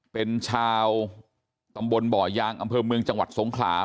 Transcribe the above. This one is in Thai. เป็นชาวตำบลบ่อยางอำเภอเมืองจังหวัดสงขลา